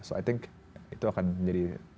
so i think itu akan menjadi